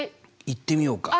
いってみようか。